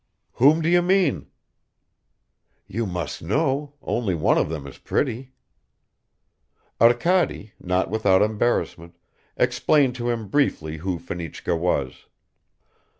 "Whom do you mean?" "You must know; only one of them is pretty." Arkady, not without embarrassment, explained to him briefly who Fenichka was.